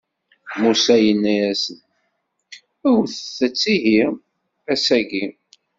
Musa yenna-yasen: wwtet-tt ihi, ass-agi.